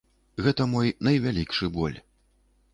Гэта мой найвялікшы боль.